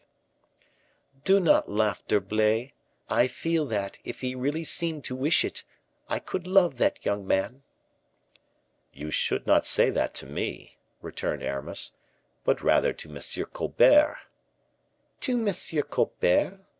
"Do not laugh, D'Herblay; I feel that, if he really seemed to wish it, I could love that young man." "You should not say that to me," returned Aramis, "but rather to M. Colbert." "To M. Colbert!"